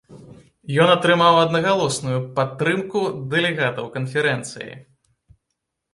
Ён атрымаў аднагалосную падтрымку дэлегатаў канферэнцыі.